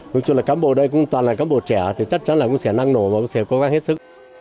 nói chung là cán bộ đây cũng toàn là cán bộ trẻ thì chắc chắn là cũng sẽ năng nổ và cũng sẽ cố gắng hết sức